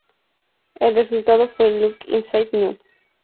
El resultado fue Look Inside Now!